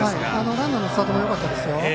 ランナーのスタートもよかったです。